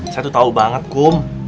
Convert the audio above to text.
saya tuh tahu banget kum